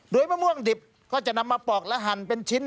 โดยมะม่วงดิบก็จะนำมาปอกและหั่นเป็นชิ้น